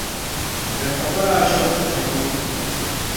بےخبر آشوخ (کھنڈُری)